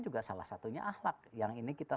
juga salah satunya ahlak yang ini kita